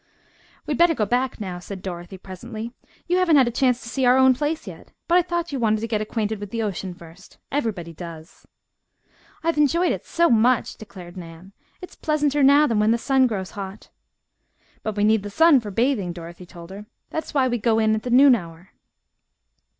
"We had better go back now," said Dorothy, presently. "You haven't had a chance to see our own place yet, but I thought you wanted to get acquainted with the ocean first. Everybody does!" "I have enjoyed it so much!" declared Nan. "It is pleasanter now than when the sun grows hot." "But we need the sun for bathing," Dorothy told her. "That is why we 'go in' at the noon hour."